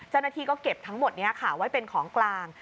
เจ้าหน้าที่ก็เก็บทั้งหมดนี้ค่ะไว้เป็นของกลาง